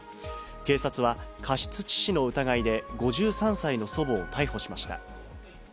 警察は、過失致死の疑いで、５３歳の祖母を逮捕しました。